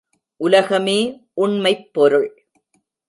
உலகமே உண்மைப் பொருள்...